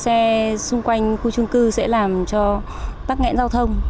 xe xung quanh khu trung cư sẽ làm cho tắc nghẽn giao thông